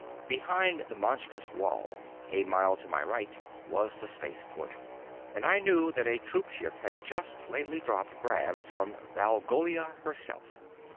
Behind the monstrous wall, a mile to my right, was the spaceport, and I knew that a troopship had just lately dropped gravs from Valgolia herself.